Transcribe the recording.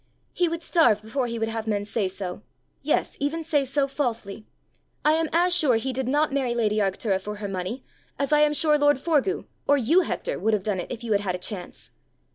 He would starve before he would have men say so yes, even say so falsely. I am as sure he did not marry lady Arctura for her money, as I am sure lord Forgue, or you, Hector, would have done it if you had had a chance.